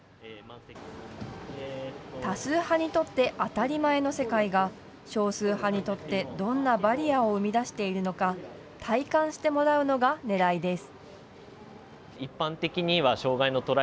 多数派にとって当たり前の世界が、少数派にとってどんなバリアを生み出しているのか、体感してもらうのがねらいです。